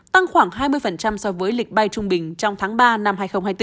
tăng khoảng hai mươi so với lịch bay trung bình trong tháng ba năm hai nghìn hai mươi bốn